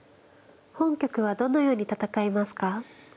本局はどのように戦いますか。